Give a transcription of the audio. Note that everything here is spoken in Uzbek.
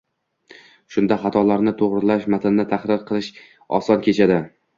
Shunda xatolarni to‘g‘rilash, matnni tahrir qilish oson kechadi.